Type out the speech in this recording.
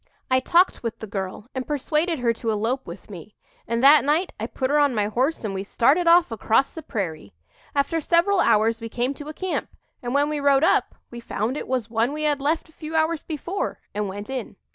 "I talked with the girl and persuaded her to elope with me; and that night I put her on my horse and we started off across the prairie. After several hours we came to a camp; and when we rode up we found it was one we had left a few hours before and went in.